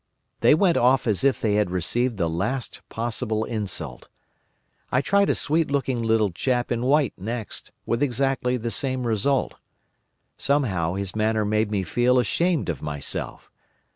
They went off as if they had received the last possible insult. I tried a sweet looking little chap in white next, with exactly the same result. Somehow, his manner made me feel ashamed of myself.